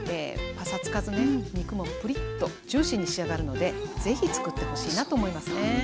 パサつかずね肉もプリッとジューシーに仕上がるのでぜひ作ってほしいなと思いますね。